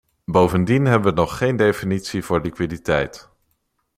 Bovendien hebben we nog geen definitie voor liquiditeit.